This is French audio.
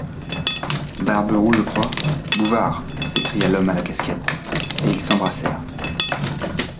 Barberou, je crois ? Bouvard ! s'écria l'homme à la casquette, et ils s'embrassèrent.